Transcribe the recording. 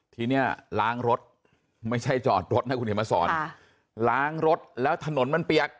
ทีนี้ล้างรถไม่ใช่จอดรถนะคุณเขียนมาสอนล้างรถแล้วถนนมันเปียก